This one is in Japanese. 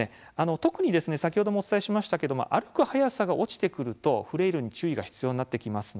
特に先ほどもお伝えしましたが歩く速さが落ちてくるとフレイルに注意が必要になってきます。